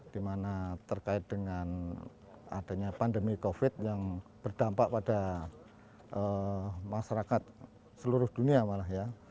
dimana terkait dengan adanya pandemi covid yang berdampak pada masyarakat seluruh dunia malah ya